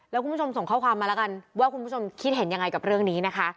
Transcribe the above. แล้วคุณผู้ชมส่งข้อความมาแล้วกันว่าคุณผู้ชมคิดเห็นยังไงกับเรื่องนี้นะคะ